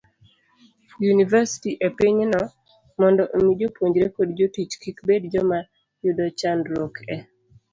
yunivasiti e pinyno, mondo omi jopuonjre kod jotich kik bed joma yudo chandruok e